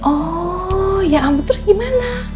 oh ya ampun terus gimana